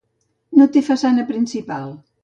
No té façana principal.